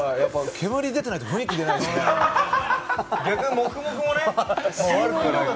煙出てないと雰囲気出ないですね。